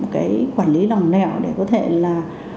cái quản lý lòng nẻo để có thể là